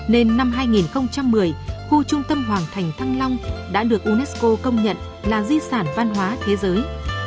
nên năm hai nghìn một mươi khu trung tâm hoàng thành thăng long đã được unesco công nhận là di sản văn hóa thế giới